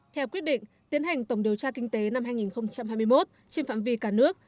theo quyết định tiến hành tổng điều tra kinh tế năm hai nghìn hai mươi một trên phạm vi cả nước